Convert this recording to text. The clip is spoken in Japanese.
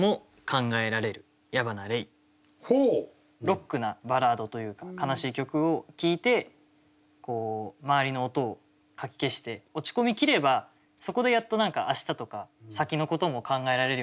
ロックなバラードというか悲しい曲を聴いてこう周りの音をかき消して落ち込みきればそこでやっと何か明日とか先の事も考えられるようになるなっていう。